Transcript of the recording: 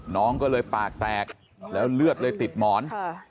น้องก็เลยปากแตกแล้วเลือดเลยติดหมอน